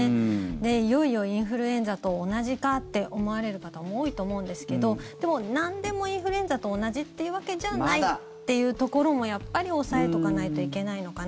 いよいよインフルエンザと同じかって思われる方も多いと思うんですけどでも、なんでもインフルエンザと同じっていうわけじゃないっていうところもやっぱり押さえておかないといけないのかな。